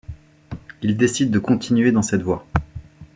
Il décide de continuer dans cette voie.